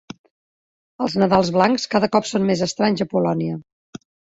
Els Nadals blancs cada cop són més estranys a Polònia.